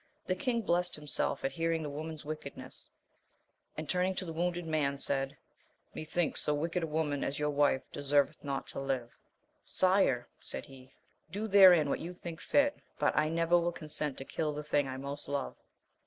The long blest him self at hearing the woman's wickedness, and, turning to the wounded man, said, Methinks so wicked a woman as your wife deserveth not to live. Sire, said he, do therein what you think fit, but I never will consent to kill the thing I most love.